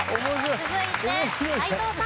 続いて斎藤さん。